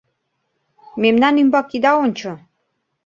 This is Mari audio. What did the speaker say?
Мемнан ӱмбак ида ончо -